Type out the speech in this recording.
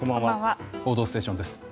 「報道ステーション」です。